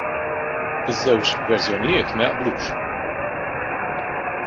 Iż-żewġ verżjonijiet ma jaqblux.